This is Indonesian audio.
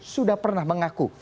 sudah pernah mengaku